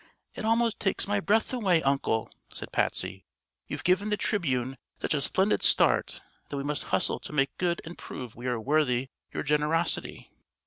"It almost takes my breath away, Uncle," said Patsy. "You've given the Tribune such a splendid start that we must hustle to make good and prove we are worthy your generosity."